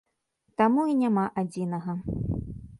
Таму і няма адзінага.